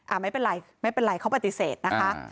ไม่เป็นไรไม่เป็นไรเขาปฏิเสธนะคะ